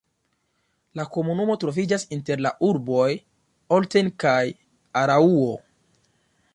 La komunumo troviĝas inter la urboj Olten kaj Araŭo.